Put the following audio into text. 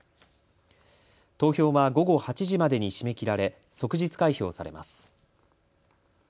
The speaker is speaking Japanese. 投票は午後８時までに締め切られ即日開票されます。